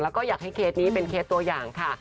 แล้วก็อยากให้เคสนี้เป็นเคสตัวอย่างค่ะ